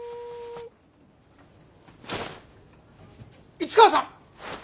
市川さん！